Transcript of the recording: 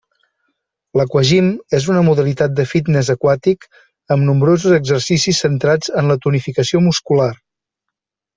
L'aquagym és una modalitat de fitness aquàtic amb nombrosos exercicis centrats en la tonificació muscular.